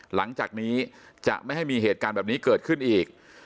หลังจากนี้จะไม่ให้มีเหตุการณ์แบบนี้เกิดขึ้นอีก